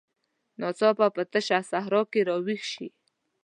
ناڅاپه په تشه صحرا کې راویښ شي.